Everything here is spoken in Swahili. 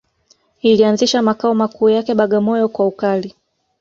Ilianzisha makao makuu yake Bagamoyo kwa ukali